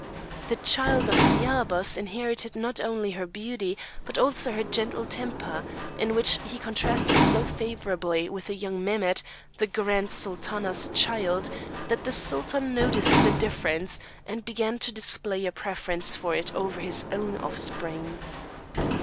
The child of Sciabas inherited not only her beauty, but also her gentle temper; in which he contrasted so favourably with young Mehemet, the Grand Sultana's child, that the Sultan noticed the difference, and began to display a preference for it over his own offspring.